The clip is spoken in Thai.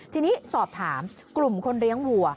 ทีนี้สอบถามกลุ่มคนเลี้ยงวัว